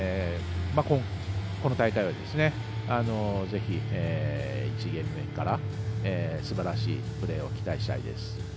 この大会は、ぜひ１ゲーム目からすばらしいプレーを期待したいです。